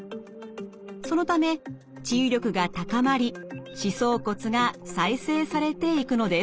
そのため治癒力が高まり歯槽骨が再生されていくのです。